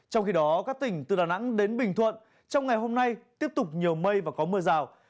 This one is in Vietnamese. trong khi đó các tỉnh từ đà nẵng đến bình thuận trong ngày hôm nay tiếp tục nhiều mây và có mưa rào